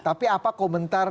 tapi apa komentar